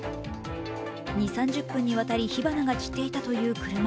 ２０３０分にわたり火花が散っていたという車。